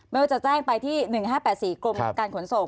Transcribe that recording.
ไม่ว่าจะแจ้งไปที่๑๕๘๔กรมการขนส่ง